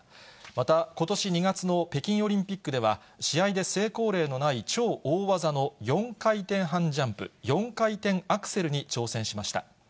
また、ことし２月の北京オリンピックでは、試合で成功例のない超大技の４回転半ジャンプ、４回転アクセルに挑戦しました。